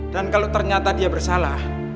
dan kalau ternyata dia bersalah